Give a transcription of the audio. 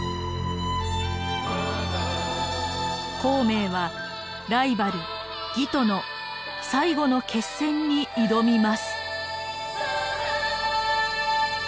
孔明はライバル魏との最後の決戦に挑みます。